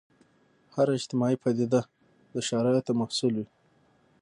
هره اجتماعي پدیده د شرایطو محصول وي.